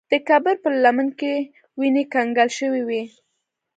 د کابل پر لمن کې وینې کنګل شوې وې.